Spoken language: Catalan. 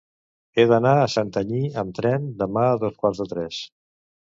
He d'anar a Santanyí amb tren demà a dos quarts de tres.